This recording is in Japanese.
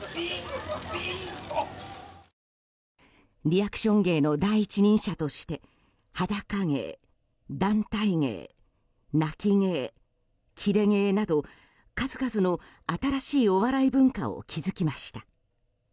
リアクション芸の第一人者として裸芸、団体芸泣き芸、キレ芸など数々の新しいお笑い文化を築きました。